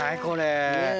これ。